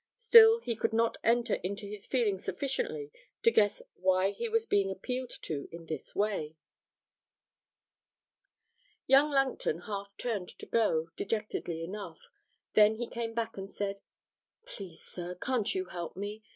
Still he could not enter into his feelings sufficiently to guess why he was being appealed to in this way. Young Langton half turned to go, dejectedly enough; then he came back and said, 'Please, sir, can't you help me?